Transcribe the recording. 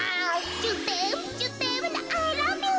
ジュテームジュテームのアイラブユー。